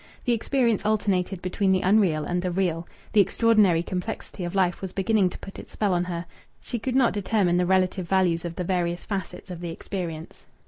The experience alternated between the unreal and the real. The extraordinary complexity of life was beginning to put its spell on her. She could not determine the relative values of the various facets of the experience.